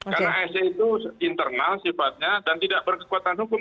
karena sa itu internal sifatnya dan tidak berkekuatan hukum